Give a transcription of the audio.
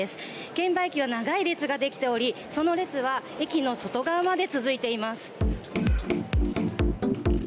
券売機は長い列ができておりその列は駅の外側まで続いています。